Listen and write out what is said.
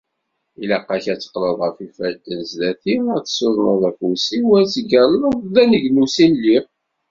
Ilaq-ak ad teqqleḍ ɣef yifadden zdat-i, ad tessudneḍ afus-iw u ad teggalleḍ ar d aneglus i lliɣ.